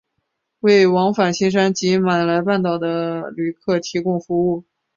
为往返新山及马来半岛的旅客提供服务。